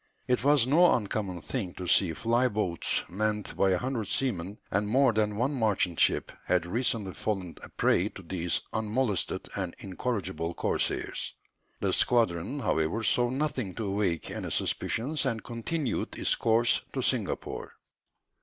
It was no uncommon thing to see fly boats manned by a hundred seamen, and more than one merchant ship had recently fallen a prey to these unmolested and incorrigible corsairs. The squadron, however, saw nothing to awake any suspicions, and continued its course to Singapore.